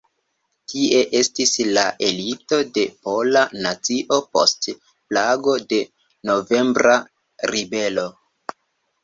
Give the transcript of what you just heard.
Tie estis la elito de pola nacio post plago de "Novembra Ribelo".